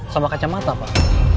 sama kacamata pak